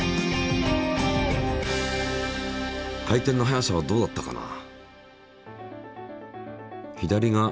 回転の速さはどうだったかな？